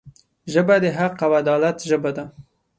ژبه د حق او عدالت ژبه ده